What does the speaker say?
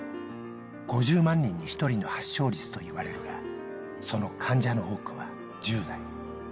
５０万人に１人の発症率といわれるが、その患者の多くは１０代。